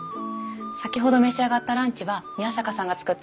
先ほど召し上がったランチは宮坂さんが作ったんです。